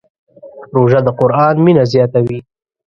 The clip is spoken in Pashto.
روژه د قرآن مینه زیاتوي.